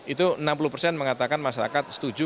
itu enam puluh persen mengatakan masyarakat setuju